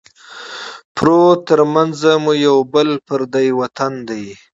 پروت ترمنځه مو یو یا بل پردی وطن دی